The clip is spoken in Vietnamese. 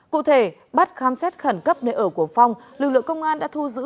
cụ thể bắt khám xét khẩn cấp nơi ở của phong lực lượng công an đã thu giữ